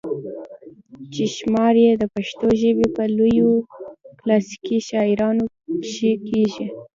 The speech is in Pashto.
چې شمار ئې د پښتو ژبې پۀ لويو کلاسيکي شاعرانو کښې کيږي